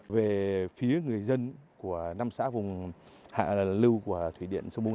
về phía người dân của năm xã vùng hạ lưu của thủy điện sông bùng hai